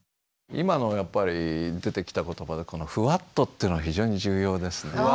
今のやっぱり出てきた言葉で「フワッと」っていうの非常に重要ですね。